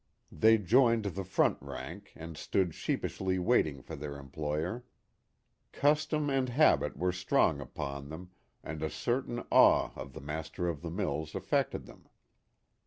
They joined the front rank, and stood sheepishly waiting for their employer. Custom and habit were strong upon them, and a certain awe of the master of the mills affected them.